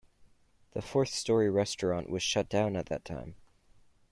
The Fourth Story restaurant was shut down at that time.